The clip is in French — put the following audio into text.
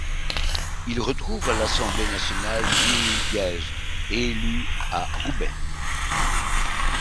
Il retrouve à l'Assemblée nationale Jules Guesde, élu à Roubaix.